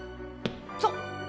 そっ